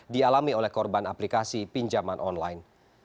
dialami oleh korban aplikasi pinjaman online